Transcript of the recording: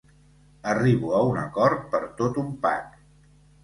Arribo a un acord per tot un pack.